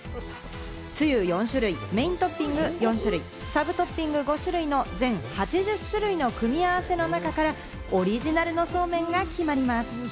つゆ４種類、メイントッピング４種類、サブトッピング５種類の全８０種類の組み合わせの中からオリジナルのそうめんが決まります。